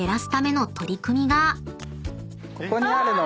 ここにあるのが。